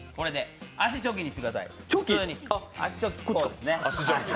足、チョキにしてください。